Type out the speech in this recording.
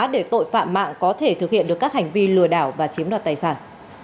để tội phạm mạng có thể thực hiện được các hành vi lừa đảo và chiếm đoạt tài sản